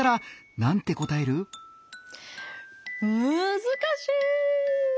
むずかしい！